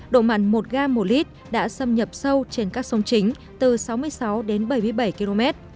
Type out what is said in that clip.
độ mặn một gm một l đã xâm nhập sâu trên các sông chính từ sáu mươi sáu bảy mươi bảy km